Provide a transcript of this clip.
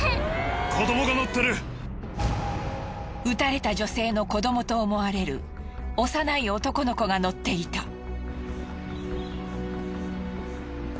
撃たれた女性の子どもと思われる幼い男の子が乗っていた。